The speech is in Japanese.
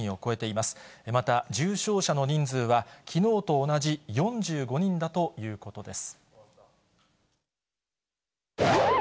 また、重症者の人数は、きのうと同じ４５人だということです。